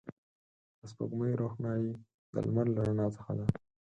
د سپوږمۍ روښنایي د لمر له رڼا څخه ده